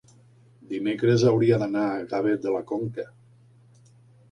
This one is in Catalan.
dimecres hauria d'anar a Gavet de la Conca.